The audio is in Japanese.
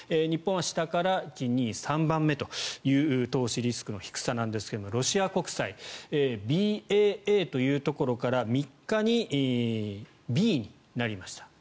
日本は下から３番目という投資リスクの低さですがロシア国債Ｂａａというところから３日にＢになりました。